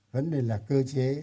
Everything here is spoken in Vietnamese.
vấn đề là cơ chế